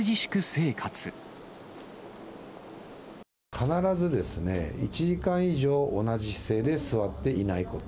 必ずですね、１時間以上同じ姿勢で座っていないこと。